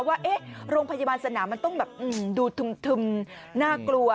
ว่าโรงพยาบาลสนามมันต้องแบบดูทึมน่ากลัว